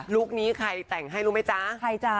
ลุคนี้ใครแต่งให้รู้มั้ยจ๊ะ